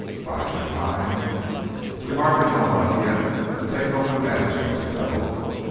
"Bide your time?" "We hardly know enough yet to take over the management, you know."